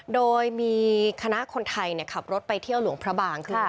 โดยมีคณะคนไทยขับรถไปเที่ยวหลวงพระบางขึ้น